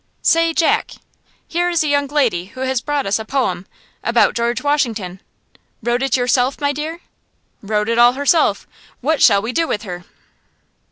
"Say, Jack! here is a young lady who has brought us a poem about George Washington. Wrote it yourself, my dear? Wrote it all herself. What shall we do with her?"